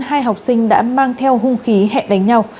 hai học sinh đã mang theo hung khí hẹn đánh nhau